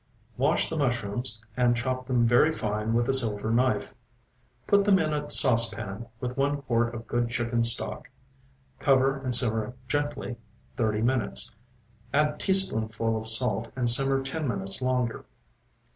Wash the mushrooms, and chop them very fine with a silver knife. Put them in a saucepan, with one quart of good chicken stock. Cover and simmer gently thirty minutes; add teaspoonful of salt and simmer ten minutes longer.